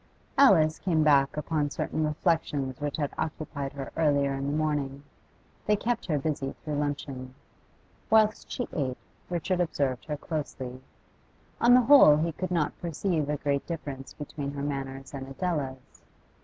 Alice came back upon certain reflections which had occupied her earlier in the morning; they kept her busy through luncheon. Whilst she ate, Richard observed her closely; on the whole he could not perceive a great difference between her manners and Adela's.